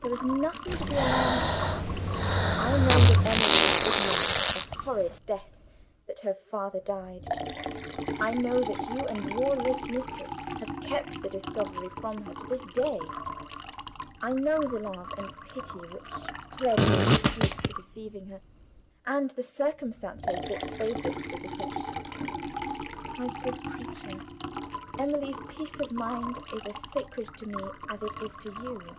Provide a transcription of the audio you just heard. There is nothing to be alarmed about. I know that Emily is ignorant of the horrid death that her father died. I know that you and your late mistress have kept the discovery from her to this day. I know the love and pity which plead your excuse for deceiving her, and the circumstances that favored the deception. My good creature, Emily's peace of mind is as sacred to me as it is to you!